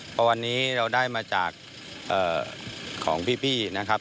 เพราะวันนี้เราได้มาจากของพี่นะครับ